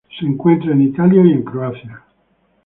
Se encuentra en Italia y Croacia.